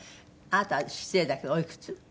あなたは失礼だけどおいくつ？